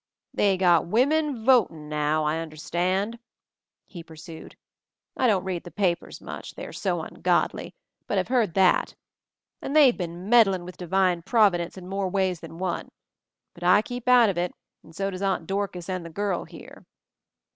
"They've got wimmin votin' now, I un derstand," he pursued; "I don't read the papers much, they are so ungodly, but I've heard that. And they've been meddlin' with Divine Providence in more ways than one— * but I keep out of it, and so does Aunt Dorcas and the girl here."